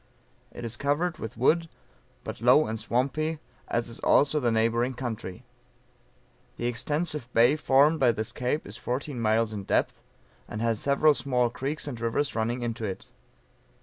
It is covered with wood but low and swampy, as is also the neighboring country. The extensive bay formed by this cape is fourteen miles in depth, and has several small creeks and rivers running into it.